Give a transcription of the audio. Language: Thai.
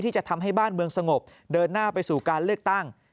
จะทำให้บ้านเมืองสงบเดินหน้าไปสู่การเลือกตั้ง